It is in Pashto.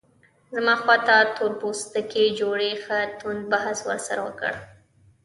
زما خواته تور پوستي جوړې ښه توند بحث ورسره وکړ.